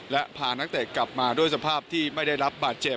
และพานักเตะกลับมาด้วยสภาพที่ไม่ได้รับบาดเจ็บ